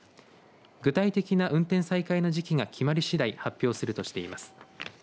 具体的な運転再開の時期が決まり次第発表するとしています。